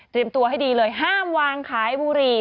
ตัวให้ดีเลยห้ามวางขายบุหรี่